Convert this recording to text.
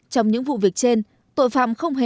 trong những vụ việc trên tội phạm không hề